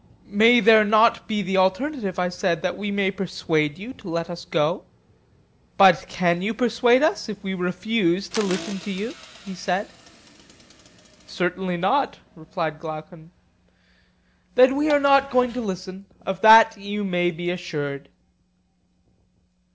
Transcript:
May there not be the alternative, I said, that we may persuade you to let us go? But can you persuade us, if we refuse to listen to you? he said. Certainly not, replied Glaucon. Then we are not going to listen; of that you may be assured.